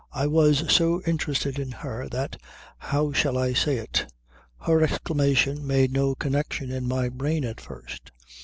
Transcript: I was so interested in her that, how shall I say it, her exclamation made no connection in my brain at first.